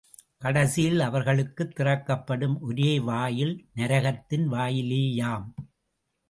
கடைசியில் அவர்களுக்குத் திறக்கப்படும் ஒரே வாயில் நரகத்தின் வாயிலேயாம்.